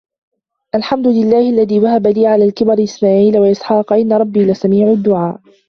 الحمد لله الذي وهب لي على الكبر إسماعيل وإسحاق إن ربي لسميع الدعاء